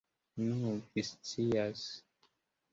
Nu, vi scias.